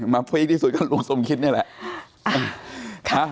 ฟรีที่สุดก็ลุงสมคิดนี่แหละ